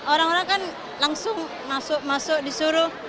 orang orang kan langsung masuk masuk disuruh